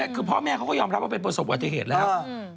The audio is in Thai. คือพ่อแม่เขาก็ยอมรับว่าเป็นประสบวัติเหตุแล้ว